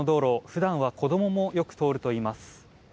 普段は子供もよく通るといいます。